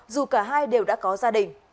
dù cả hai đều đã có gia đình